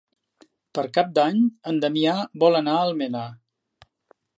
Per Cap d'Any en Damià vol anar a Almenar.